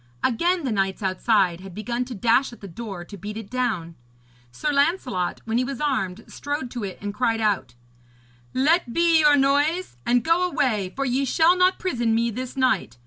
Again the knights outside had begun to dash at the door to beat it down. Sir Lancelot, when he was armed, strode to it and cried out: 'Let be your noise, and go away, for ye shall not prison me this night.